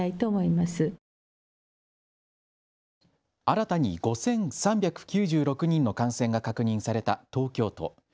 新たに５３９６人の感染が確認された東京都。